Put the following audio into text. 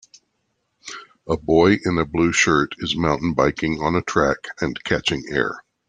A boy in a blue shirt is mountain biking on a track and catching air.